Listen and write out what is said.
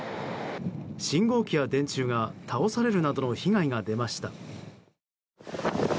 信号機や電柱が倒されるなどの被害が出ました。